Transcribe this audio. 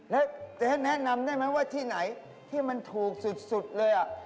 แล้วจะแนะนำได้ไหมว่าที่ไหนที่มันถูกสุดเลย